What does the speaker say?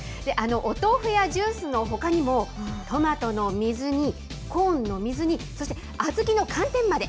お豆腐やジュースのほかにも、トマトの水煮、コーンの水煮、そして小豆の寒天まで。